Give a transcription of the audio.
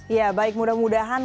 ya baik mudah mudahan